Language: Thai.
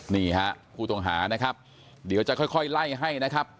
นี่ฮะผู้ต้องหานะครับเดี๋ยวจะค่อยไล่ให้นะครับ